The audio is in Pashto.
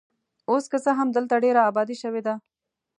اوس که څه هم دلته ډېره ابادي شوې ده.